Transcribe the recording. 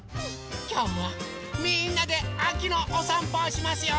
きょうはみんなであきのおさんぽをしますよ！